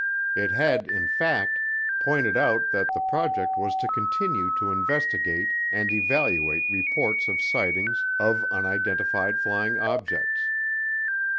It had, in fact, pointed out that the project was to continue to investigate and evaluate reports of sightings of unidentified flying objects.